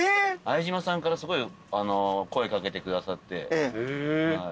相島さんからすごい声掛けてくださって。